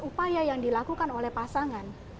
upaya yang dilakukan oleh pasangan